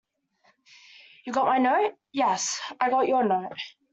You got my note? Yes, I got your note.